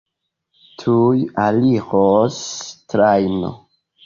Tuj aliros trajno.